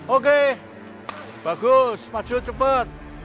oke bagus masuk cepat